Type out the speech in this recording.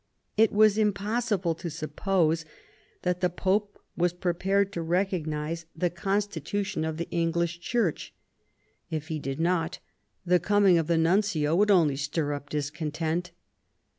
It was impossible to suppose that the Pope was prepared to recognise the constitution of the English Church ; if he did not, the coming of the nuncio would only stir up discontent.